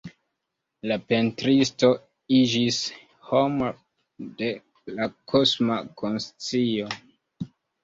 La pentristo iĝis “homo de la kosma konscio.